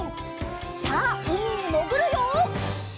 さあうみにもぐるよ！